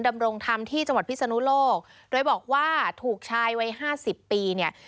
ดำรงธรรมที่จังหวัดพิศนุโลกโดยบอกว่าถูกชายวัยห้าสิบปีเนี่ย